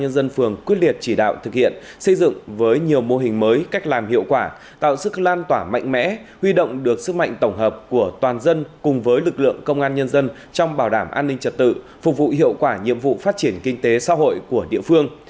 dân phường quyết liệt chỉ đạo thực hiện xây dựng với nhiều mô hình mới cách làm hiệu quả tạo sức lan tỏa mạnh mẽ huy động được sức mạnh tổng hợp của toàn dân cùng với lực lượng công an nhân dân trong bảo đảm an ninh trật tự phục vụ hiệu quả nhiệm vụ phát triển kinh tế xã hội của địa phương